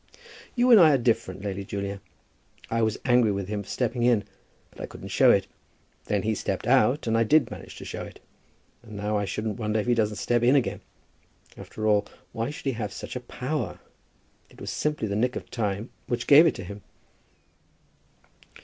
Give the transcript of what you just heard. "You and I are different, Lady Julia. I was angry with him for stepping in; but I couldn't show it. Then he stepped out, and I did manage to show it. And now I shouldn't wonder if he doesn't step in again. After all, why should he have such a power? It was simply the nick of time which gave it to him."